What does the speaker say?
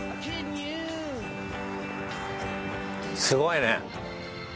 すごいね。